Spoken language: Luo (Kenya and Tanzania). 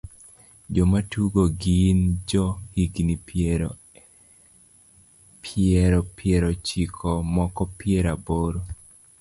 Joma tugo gin jo higni piero piero ochiko moko piero aboro.